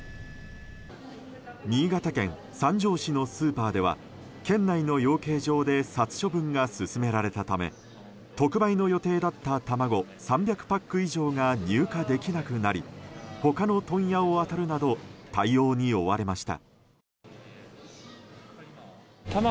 新潟県三条市のスーパーでは県内の養鶏場で殺処分が進められたため特売の予定だった卵３００パック以上が入荷できなくなり他の問屋を当たるなど対応に追われました。